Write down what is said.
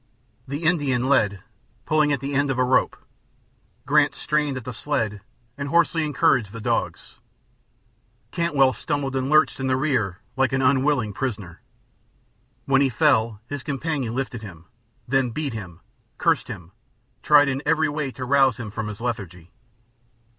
The Indian led, pulling at the end of a rope; Grant strained at the sled and hoarsely encouraged the dogs; Cantwell stumbled and lurched in the rear like an unwilling prisoner. When he fell his companion lifted him, then beat him, cursed him, tried in every way to rouse him from his lethargy.